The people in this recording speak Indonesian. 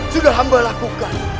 sudah hamba lakukan